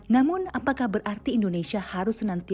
namun apakah berarti indonesia harus senantiasa